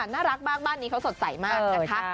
น่ารักมากบ้านนี้เขาสดใสมากนะคะ